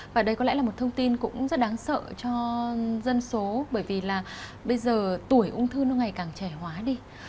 và đây có lẽ là một thông tin cũng rất đáng sợ cho dân số bởi vì là bây giờ tuổi ung thư nó ngày càng trẻ hóa đi